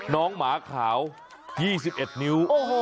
น้องหมาขาว๒๑นิ้ว